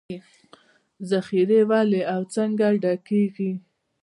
ذخیرې ولې او څنګه ډکېږي